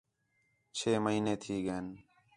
چھ مہینے تھی ڳئین